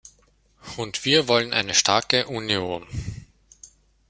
Und wir wollen eine starke Union!